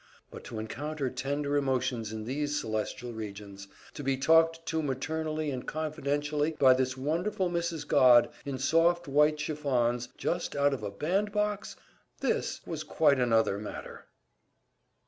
But to encounter tender emotions in these celestial regions, to be talked to maternally and confidentially by this wonderful Mrs. Godd in soft white chiffons just out of a band box _this _was quite another matter!